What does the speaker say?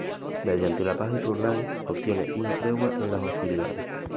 Mediante la Paz de Tournai, obtiene una tregua en las hostilidades.